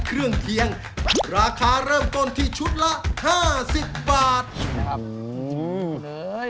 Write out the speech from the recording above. เครื่องเคียงราคาเริ่มต้นที่ชุดละห้าสิบบาทนะครับ